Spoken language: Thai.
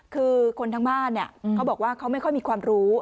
คือคนทั้งบ้านเนี่ยเขาบอกว่าเขาไม่ค่อยมีความรู้